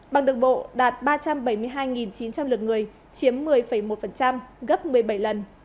bằng đường bộ đạt ba trăm bảy mươi hai chín trăm linh lượt người chiếm một mươi một gấp một mươi bảy lần